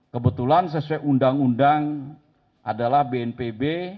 kebetulan sesuai undang undang adalah bnpb